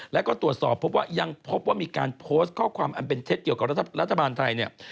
แล้วก็ตรวจสอบพบว่ายังพบว่ามีการโพสต์ข้อความอันเป็นเท็จเกี่ยวกับรัฐบาลไทยเนี่ย